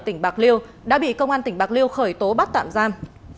tỉnh bạc liêu đã bị công an tỉnh bạc liêu khởi tố bắt tạm giam